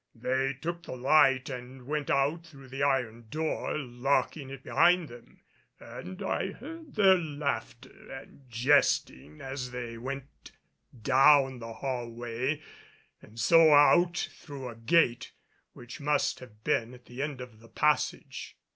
They took the light and went out through the iron door, locking it behind them, and I heard their laughter and jesting as they went down the hallway and so out through a gate which must have been at the end of the passage.